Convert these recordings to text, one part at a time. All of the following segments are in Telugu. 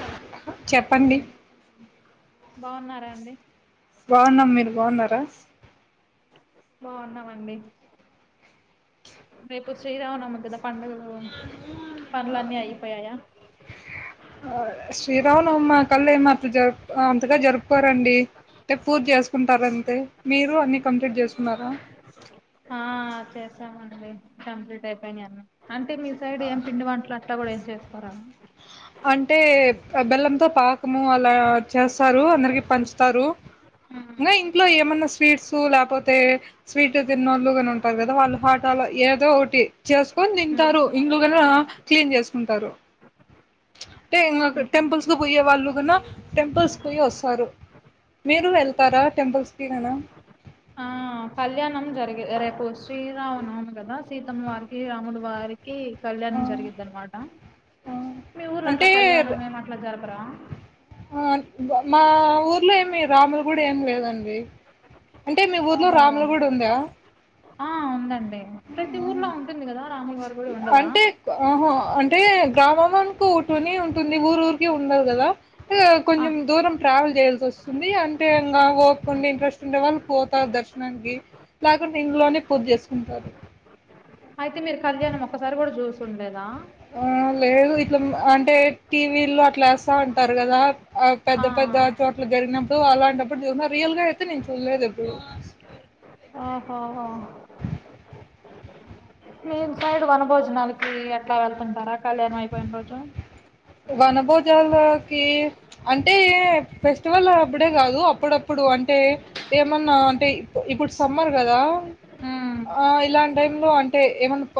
హలో చెప్పండి బా బాగున్నాం మీరు బాగున్నారా బాగున్నామండి రేపు శ్రీరామనవమీ కదా పండుగలు పనులన్నీ అయిపోయాయా ఆ శ్రీరామనవమి మా కలేమి అట్లా జరుపు అంతగా జరుపుకోరండి అంటే పూజ చేసుకుంటారంతే మీరు అన్ని కంప్లీట్ చేసుకున్నారా ఆ చేసామండి కంప్లీటైపోయినయాన్ని అంటే మీ సైడ్ ఏం పిండి వంటలు అట్టా కూడా ఏం చేకోారా అంటే బెల్లంతో పాకము అలా చేస్తారు అందరికి పంచుతారు ఇంగ ఇంట్లో ఏమన్నా స్వీట్స్ లేకపోతే స్వీట్ తిన్నోళ్ళుగాని ఉంటారు కదా వాళ్ళు హట్ ఏదో ఒకటి చేసుకొని తింటారు ఇంగ నా క్లీన్ చేసుకుంటారు అంటే ఇంగ టెంపుల్స్ కు పోయే వాళ్ళు గున టెంపుల్స్ పోయి వస్తారు మీరు వెళ్తారా టెంపుల్స్ కి గనా ఆ కళ్యాణం జరిగే రేపు శ్రీరామనవమి కదా సీతమ్మ వారికి రాముల వారికి ఆ కళ్యాణం జరిగిదన్నమాట ఆ మీ ఊర్లో అట్లా అంటే కళ్యాణం ఏమట్లా జరపరా ఆ మా ఊర్లో ఏమి రాముల గుడి ఏమి లేదండి అంటే మీ ఊర్లో ఓహో రాములగుడి ఉందా ఆ ఉందండి ప్రతి ఆహా. ఊర్లో ఉ అంటే ఆహ అం అంటే గ్రామంనుకో ఒకటునే ఉంటుంది ఊరు ఊరికి ఉండదు కదా హు ఆ కొంచెం దూరం ట్రావెల్ చేయాల్సి వస్తుంది ఇగ అంటే ఇంగ ఓపికుండి ఇంట్రెస్ట్ ఉండే వాళ్ళు పోతారు దర్శనానికి లేకుండా ఇంట్లోనే పూజ చేసుకుంటారు అయితే మీరు కళ్యాణం ఒక్కసారి కూడా జూసుంలేదా ఆ లేదు ఇట్లా అంటే టీవీలో అట్లా ఏస్తా అంటారు కదా ఆ పెద్ద పెద్ద చోట్ల జరిగినప్ ప్పుడు అలాంటప్పుడు చ రియల్ గా అయితే నేను చూడలేదు ఎప్పుడు ఓహో మీ సైడ్ వన భోజనాలకి ఎట్లా వెళ్తుంటారా కళ్యాణం అయిపోయిన రోజు వనభోజాలకి అంటే ఫెస్టివల్ అప్పుడే కాదు అప్పుడప్పుడు కో అంటే ఏమన్నా అంటే ఇప్పుడు సమ్మర్ కదా ఉమ్ ఆ ఇలాంటి టైం లో అంటే ఏమైన్నా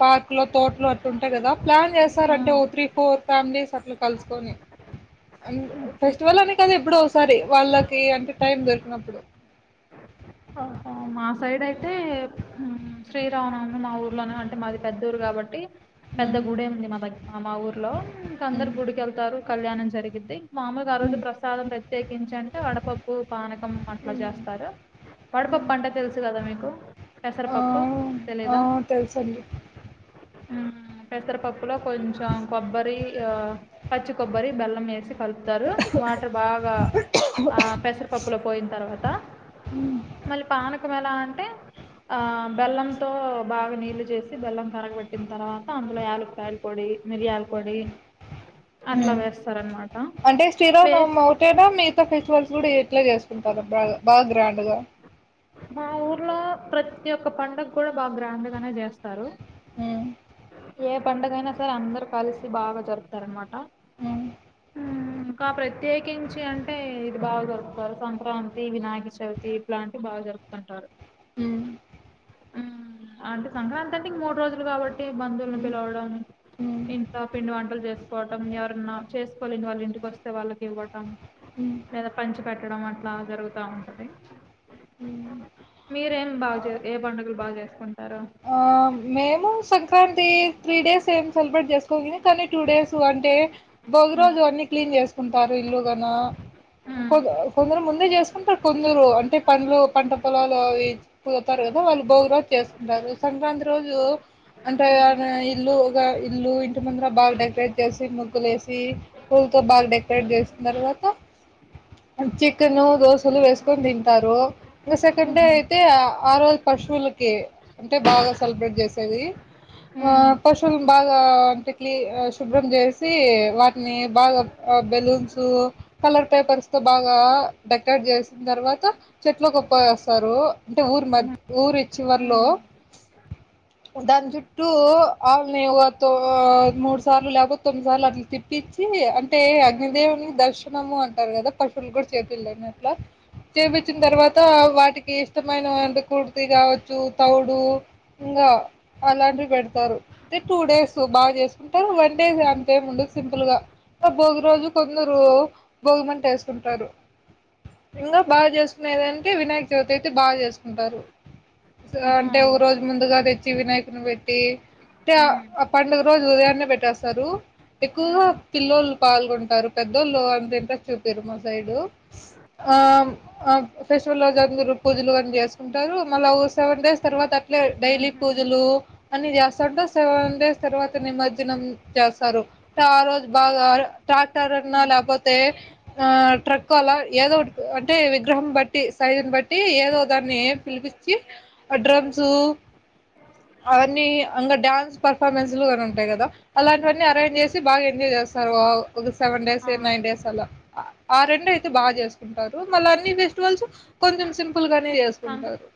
పార్కు లో తోటలు అట్ ఉంటాయి కదా ప్లాన్ చే సార్ అంటే ఉమ్. ఓ త్రీ ఫోర్ ఫ్యామిలీస్ అట్లా కలుసుకొని అను ఫెస్టివల్ అనే కాదు ఎప్పుడో ఒకసారి వాళ్ళకి అంటే టైం దొరికినప్పుడు ఆహా మా సైడ్ అయితే శ్రీరామనవమి మా ఊర్లోనే అంటే మాది పెద్ద ఊరు కాబట్టి పెద్ద ఉమ్ గుడే ఉంది మా దగ్గర మా ఊర్లో ఇంక ఉమ్ అందరు గుడికి వెళ్తారు కళ్యాణం జరిగిద్ది మామూలుగా ఆ రోజు ప్రసాదం ప్రత్యేకించి అంటే వడపప్పు పానకం అట్లా చేస్తారు వడపపు తెలుసు కదా మీకు ఆ పెసరపప్పు ఆ తెలీదా తెలుసండి ఉ పెసర పప్పు పులా కొంచెం కొబ్బరి ఆ పచ్చి కొబ్బరి బెల్లం వేసి కలుపుతారు వాటర్ బాగా ఆ పెసరపప్పులో పోయిన తర్వాత మళ్ళీ పానకం ఎలా అంటే ఆ బెల్లంతో బాగా నీళ్లు చేసి బెల్లం కరగబెట్టిన తర్వాత అందులో యాలకాయలు పోడి మిరియాల్ పోడి అట్లా హ్మ్. వేస్తారు అనమాట అంటే శ్రీరామనవమి ఒకటేనా మిగతా ఫెస్టివల్స్ కూడా ఎట్లా చేసుకుంటారా బాగా బాగా గ్రాండ్ గా మా ఊర్లో ప్రతి ఒక్క పండుగ కూడా బాగా గ్రాండ్గానే చేస్తారు ఆ ఏ పండుగ అయినా సరే అందరు కలిసి బాగా జరుపుతారు అనమాట ఉమ్ ఉ ఇంకా ప్రత్యేకించి అంటే ఇది బాగా జరుపుతారు సంక్రాంతి వినాయక చవితి ఇలాంటి ఈ బాగా జరుపుతంటారు ఉ ఉ అంటే సంక్రాంతి అంటే మూడు రోజులు కాబట్టి టి బంధువుల్ని ఉమ్ పిలవడం ఉమ్ ఇంట్లో పిండి వంటలు చేసుకోవడం ఎవర్ అన్నా చేసుకోలేని వాళ్ళు ఇంటిస్తే వాళ్ళకి ఇవ్వడం లేదా పంచిప్ పెట్టడం అట్లా జరుగుతా ఉంటది ఉమ్ మీరు ఏం బాగా చే ఏ పండుగలు బాగా చేసుకుం ఆ ఆ మేము సంక్రాంతి త్రీ డేస్ ఏం సెలబ్రేట్ చేసుకోము లే కానీ టూ డేస్ అంటే భోగి రోజు అన్ని క్లీన్ చేసుకుంటారు ఇల్లుగన కొ కొందరు ముందే చేసుకుంటారు కొందరు అంటే పండ్లు పంట పొలాలు అవి పోతారు కదా వాళ్ళు భోగి రోజు చేసు డర్రు సంక్రాంతి రోజు అంటే ఆయన ఇల్లు ఊగా ఇల్లు ఇంటి ముందరా బాగా డెకరేట్ చేసి ముగ్గులేసి హు తో బాగా డెకరేట్ చేసిన తర్వాత హన్చిక్ తిను దోశలు వేసుకొని తింటారు ఇంకా సెకండ్ డే అయితే ఆ రోజు పశువులకి అంటే బాగా సెలబ్రేట్ చేసేది ఆ పశువులు బాగా అంటే క్లి ఆ శుభ్రం చేసి వాటిని బాగా బెలూన్సు కలర్ పేపర్స్ తో బాగా డెకరేట్ చేసిన తర్వాత చెట్లు గుప్ప వేస్తారు అంటే ఊరు మద్ ఊరి చివరిలో దాని చుట్టూ ఆవు మే వాతో ఆ మూడు సార్లు లేకపోతే తొమ్మిది సార్లు అట్లు తిప్పి ఇచ్చి అంటే అగ్నిదేవుని దర్శనము అంటారు కదా పశువులు కూడా చేపిళ్ళలే నట్లా చేపిచ్చిన తర్వాత వాటికి ఇష్టమైనవి అంటే కుర్తి కావచ్చు తౌడ్ దు ఇంగా అలాంటివి పెడతారు తీ టూ డేస్ బాగా చేసుకుంటారు వన్ డే అంతేముండదు సింపుల్ గా భోగి రోజు కొందరు భోగిమంట వేసుకుంటారు ఇంకా బాగా చేసుకునేదంటే వినాయక చవితి అయితే బాగా చేసుకుంటారు ఆహా అంటే ఒక రోజు ముందుగా తెచ్చి వినాయకుని పెట్టి అంటే ఆ పండుగ రోజు ఉదయాన్నే పెట్టేస్తారు ఎక్కువగా పిల్లొల్లు పాల్గొంటారు పెద్దోళ్ళు అంత ఇంట్రెస్ట్ చూపీరు మా సైడు ఆ ఆ ఫెస్టివల్ రోజు అందరు పూజలు అన్ చేసుకుంటారు మళ్ళా ఓ సెవెన్ డేస్ తర్వాత అట్లే డైలీ పూజలు అని చేస్త సెవెన్ డేస్ తర్వాత నిమజ్జనం చేస్తారు ఇంక ఆ రోజు బాగా ట్రాక్టర్న్నా లేకపోతే ఆ ట్రక్ అలా ఏదో ఒక అంటే విగ్రహం బట్టి సైజుని బట్టి ఏదో దాన్ని పిలిపిచ్చి అ డ్రమ్సు అవన్నీ ఇంగ డ్యాన్స్ పర్ఫార్మెన్స్ లు గన ఉంటాయి కదా అలాంటివన్నీ అరేంజ్ చేసి బాగా ఎంజాయ్ చేస్తారు ఒక సెవెన్ డేస్ ఆ నైన్ డేస్ అలా ఆ రెండు అయితే బాగా చేసుకుంటారు మళ్ళ అన్ని ఫెస్టివల్స్ కొంచెం సిమ్ పుల్ గానే సంక్రా చేసుకుంటారు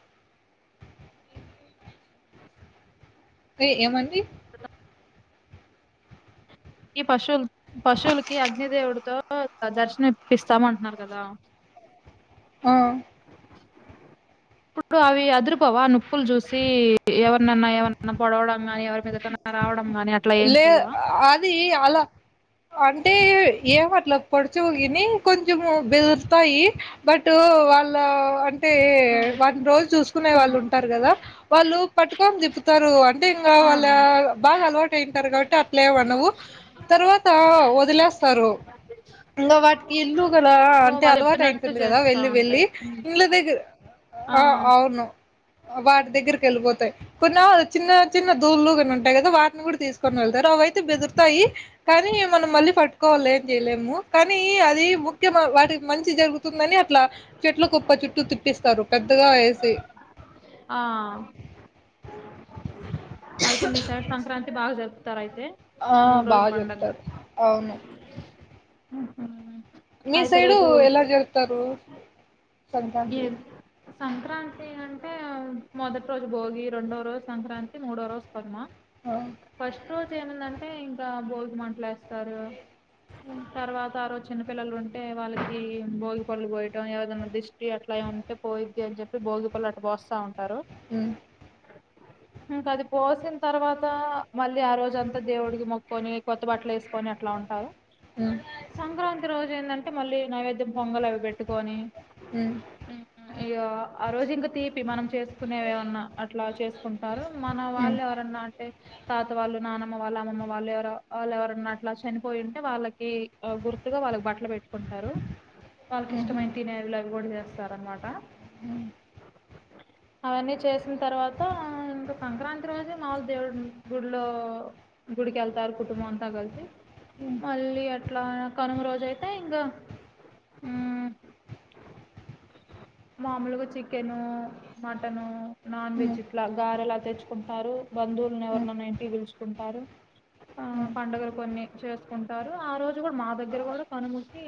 అ ఏమండి ఈ పశువులు పశువులకి అగ్ని దేవుడితో దర్శనం ఇప్పిస్తాము అంటున్నారు కదా ఆ ఇప్పుడు అవి అదురుపోవా నొప్పులు చూసి ఎవరిననా ఏం అన్న పొడవడం కాని ఎవరి మీదకన్నా రావడం అని అట్లా ఏం లే చెయవా అది అలా అంటే ఏం అట్ల పడుచువుగిని కొంచెం బెదురుతాయి బట్ వాళ్ళ అ అంటే వాటిని రోజు చూసుకునే ఆ వాళ్ళు ఉంటారు కదా వాళ్ళు పట్టుకొని తిప్పుతారు అంటే ఆ, వాళ్ళ బాగా అలవాట్ అయింటారు కాబట్టి అట్లెం అనవు తర్వాత వదిలేస్తారు ఇంకా వాటికి ఇల్లు గల ఓ అంటే వాళ్ళు అలవాటు చెప్పినట్టు అయింటుంది కదా చేస్తా వెళ్లి వెళ్ళి ఉంటాయి ఉమ్, ఇండ్ల దగ్గర ఆ అవును వాటి దగ్గరికి వెళ్ళిపోతాయి కొన్ని చిన్న చిన్న దూళ్లు గన ఉంటాయి కదా వాటిని కూడా తీసుకొని వెళ్తారు ఆవి అయితే బెదురుతాయి కానీ మనం మళ్ళీ పట్టుకోవాలి ఏం చేయలేము కానీ అది ముఖ్యమ వాటి మంచి జరుగుతుందని అట్లా చెట్ల కుప్ప చుట్టూ తిప్పిస్తారు పెద్దగా ఎసి ఆ అయితే మీ సైడ్ సంక్రాంతి బాగా జరుపుతారు అయ్ ఆ బాగా జరుపుతారు అవును మ్ మీ సైడు ఎలా జరుపుతారు ఏ సంక్రాంతి సంక్రాంతి అంటే మొదటి రోజు భోగి రెండో రోజు సంక్రాంతి మూడో రోజు కనుమ ఆ ఫస్ట్ రోజు ఏమిందంటే ఇంకా భోగిమట్లులేస్తారు తర్వాత ఆ రోజు చిన్న పిల్లలు ఉంటే వాళ్ళకి భోగి పడ్ళు పోయటం ఏవదైనా దిష్ ష్టి అట్లా ఉంటే పోయిద్ది అని చెప్పి భోగిపల్ అటు పోస్తాం మ్ అ ఇంకా అది పోసిన తర్వాత మళ్ళీ ఆ రోజంతా దేవుడికి మొక్కొని కొత్త బట్టలు వేసుకొని అట్లా ఉంటారు ఉమ్ సంక్రాంతి రోజు ఎందంటే మళ్ళీ నైవేద్యం పొంగలు అవి పెట్టుకొని మ్ ఇగ ఆ రోజు ఇంక తీపి మనం చేసుకునేవి ఏవన్నా అట్లా చేసుకుంటారు మన హ్మ్. వాళ్ళు ఎవరన్నా అంటే తాత వాళ్ళు నానమ్మ వాళ్ళు అమ్మమ్మ వాళ్ళు ఎవరో వాళ్ళు ఎవరన్నా అట్లా చనిపోయి ఉంటే వాళ్ళకి గుర్తుగా వాళ్ళకి బట్టలు పెట్టుకుంటారు వాళ్ళకి హుహు. ఇష్టమైన తినేవిలు అవి కూడా చేస్తారు అనమాట అ అవన్నీ చేసిన తర్వాత ఇంక సంక్రాంతి రోజు మామూలు దేవుడు గుడిలో గుడికెళ్తారు కుటుంబ అంతా కలిసి మళ్ళీ అట్లా కనుమ రోజు అయితే ఇంగా ఉమ్ మామూలుగా చికెను, మటన్, నాన్ హ్మ్. వెజ్ ఇట్లా గారె లా తెచ్చుకుంటన్నారు బందు వుళ్ళు హ్మ్. ఎవరైనా ఇంటికి పిలుచుకుంటారు ఆ హ్మ్. పండగలు కొన్ని చేసుకుంటారు, ఆ రోజు కూడా మా దగ్గర కూడా కని మూసి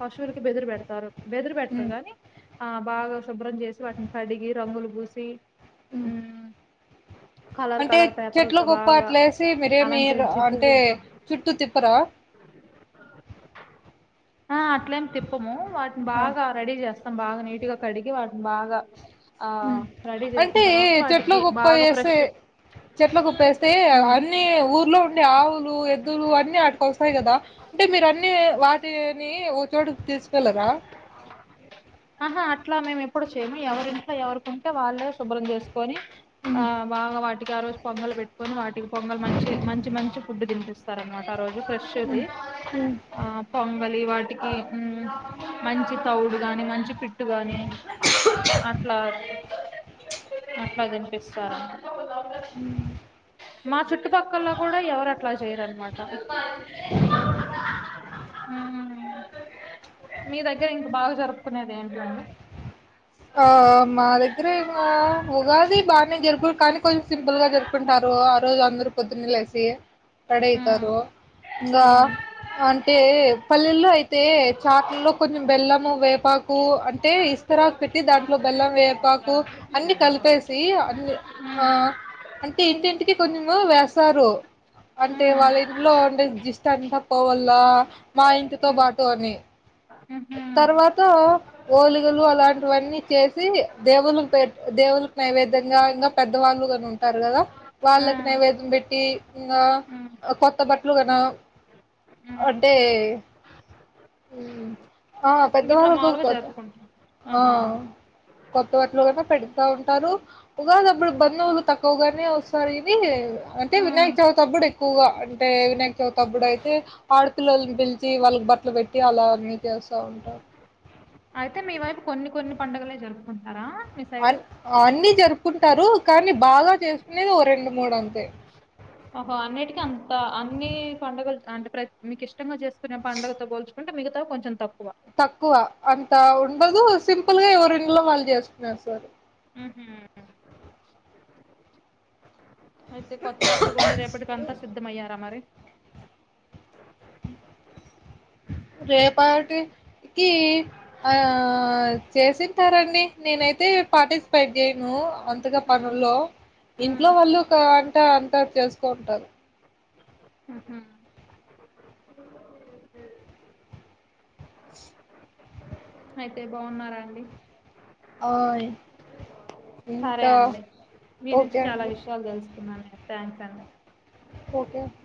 ఫస్ తుర్ కి బెదురు పెడతారు బెదురు హ్మ్. పెట్టరుగాని ఆ బాగా శుభ్రం చేసి, వాటిని కడిగి రంగులు పూసి. హ్మ్. హుమ్ కలర్, అంటే కలర్ చెట్లో పేపర్లతో గొప్ప బాగా అట్లేసి మీరేమి ర అలంకరించి అంటే పువ్వులతో. చుట్టూ తిప్పరా? ఆ అట్లేమి తిప్పము వాటిని ఆ! బాగా రెడీ చేస్. స్తాం బాగా నీటుగా కడిగి వాటిని బాగా ఆ హ్మ్. రెడీ చేసిన అంటే తర్వాత వాటికి బాగా ఫ్రెష్ చెట్ల కుప్పేస్తే మ్మ్ అన్ని ఊర్లో ఉండే ఆవులు ఎద్దులు అన్ని అటుకి వస్తాయి కదా అంటే మీరు అన్ని వాటిని ఒక చోటుకి తీసుకెళ్ళరు ఆహా ఇట్లా మేము ఎప్పుడు చేయము ఎవరింట్లో ఎవరికుంటే వాళ్ళే శుభ్రం చేసుకొని ఆ బాగా వాటి వాటికి ఆ రోజు పొంగలు పెట్టుకొని వాటికి పొంగల్ మంచి మంచి మంచి ఫుడ్ తినిపిస్తారు అన్నమాట ఆ రోజు ఫ్రెష్ అది ఆ పొంగలి వాటికి హ్మ్ మంచి తౌడు గాని మంచి పిట్ ట్టు కాని అట్లా అట్లాగని పిస్తారంట హ్మ్ మా చుట్టుపక్కల్లో కూడా ఎవరు అట్లా చేయరన్నమాట హ్మ్ మీ దగ్గర ఇంక బాగా జరుపుకునేది ఏంటండి ఆ మా దగ్గర ఇంగ ఉగాది బాగానే జరుపు కానీ కొంచెం సింపుల్ గా జరుపుకుంటారు ఆ రోజు అందరూ పొద్దున్నే లేసి మ్మ్ పడైతారు ఇంకా మ్మ్ అంటే పల్లెల్లో అయితే చాట్లల్లో కొంచెం బెల్లం వేపాకు అంటే ఇస్తరా పెట్టి దాంట్లో బెల్లం వేపాకు అన్ని కలిపేసి అన్ని ఆ మ్మ్ అంటే ఇంటింటికి కొంచెం వేస్తారు అంటే మ్మ్ వాళ్ళ ఇంట్లో ఉండే దిష్టి అంత పోవల మా ఇంటితో పాటు అని ఆహా తర్వాత ఓలిగలు అలాంటి ఇవన్నీ చేసి దేవుళ్ళకి పె దేవుళ్ళకి నైవేద్యంగా ఇంకా పెద్దవాళ్ళుగాని ఉంటారు కదా ఆ వాళ్ళకి నైవేద్యం పెట్టి ఇంకా ఆ కొత్త బట్టలు కన ఆ అంటే హుమ్ ఆ ఇట్లా పెద్దవాళ్ళుకూ మాములుగా కదా జరుపుకుంటాం ఆ ఆహా కొత్త వాటిలో గనా పెడతా ఉంటారు ఉగాదప్పుడు బంధువులు తక్కువగానే వస్తారు అనీ అంటే ఉమ్. వినాయక్ చవితప్పుడు ఎక్కువగా అంటే వినాయక్ చవితప్పుడు అయితే ఆడపిల్లోలని పిలిచి వాళ్లకి బట్టలు పెట్టి అలా అన్నీ చేస్తా ఉంటారు అయితే మీ వైపు కొన్ని కొన్ని పండుగలే జరుపుకుంటారా మీ సైడ్ అన్ అన్ని జరుపుకుంటారు కానీ బాగా చేసుకునేది ఓ రెండు మూడు అంతే ఒహో అన్నిటికీ అంత అన్ని పండుగలు అంటే ప్ర మీకు ఇష్టంగా చేసుకునే పండుగతో పోల్చు అంటే మిగతావి కొంచం తక్కువ తక్కువ అంత ఉండదు సింపుల్ గా ఎవరి ఇండ్లో వాళ్ళు చేసుకునేస్తారు హుమ్ హు అయితే కొత్త బట్టలు కొని రేపటికి అంతా సిద్ధమయ్యారా మరి రేపాటి కి ఆ చేసింటారండి నేనైతే పార్టిసిపేట్ చేయను అంతగా ఉమ్. పనుల్లో ఉమ్. ఇంట్లో వాళ్ళు ఒక అంట అంతా చేసుకో ఉంటారు ఆహా అయితే బావున్నారా అండి ఆ సరే ఇంకా అండి మీనుంచి ఓకే చాలా అండి విషయాలు తెలుసుకున్నాను థ్యాంక్స్ అండి ఓకే అండి